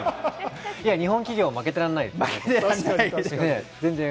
日本企業も負けていられないですね。